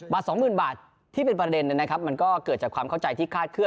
สองหมื่นบาทที่เป็นประเด็นนะครับมันก็เกิดจากความเข้าใจที่คาดเคล